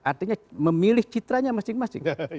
artinya memilih citranya masing masing